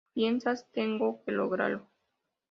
Piensas, tengo que lograrlo.